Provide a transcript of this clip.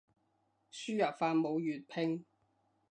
輸入法冇粵拼